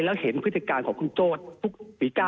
แล้วเห็นพสิทธิการของ